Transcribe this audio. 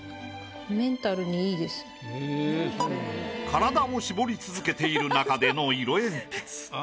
体を絞り続けているなかでの色鉛筆。